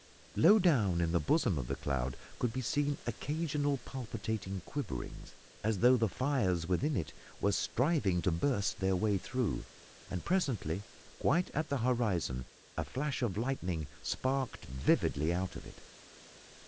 Low down in the bosom of the cloud could be seen occasional palpitating quiverings, as though the fires within it were striving to burst their way through, and presently, quite at the horizon, a flash of lightning sparked vividly out of it.